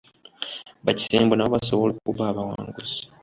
Ba kisembo nabo basobola okuba abawanguzi.